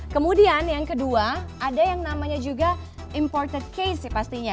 kemudian yang kedua ada yang namanya juga imported case pastinya